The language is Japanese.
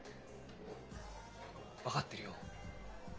分かってるよ。